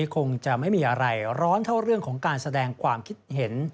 คงจะไม่มีอะไรร้อนเท่าเรื่องของการแสดงความคิดเห็น